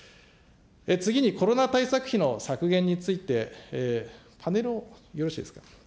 次にコロナ対策費の削減について、パネルをよろしいですか。